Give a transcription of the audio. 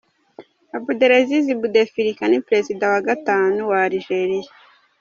Abdelaziz Boutetlika ni Perezida wa gatanu wa Algeria